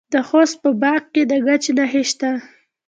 د خوست په باک کې د ګچ نښې شته.